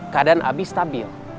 keadaan abi stabil